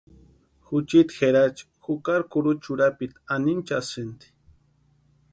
Juchiti Jerachi jukari kurucha urapiti anhinchasïnti.